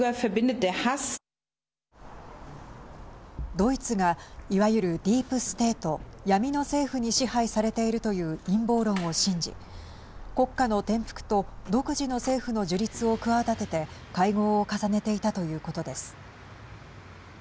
ドイツが、いわゆるディープ・ステート＝闇の政府に支配されているという陰謀論を信じ国家の転覆と独自の政府の樹立を企てて会合を重ねていたということです。